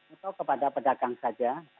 atau kepada pedagang saja